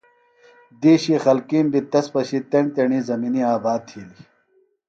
دِیشی خلکِیم بیۡ تس پشیۡ تیݨ تیݨی زمِنی آباد تِھیلیۡ۔